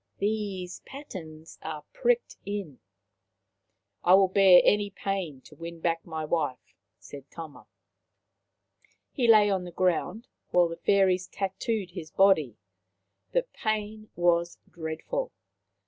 " These patterns are pricked in." " I will bear any pain to win back my wife," said Tama. He lay on the ground, while the Fairies tattooed his body. The pain was dreadful.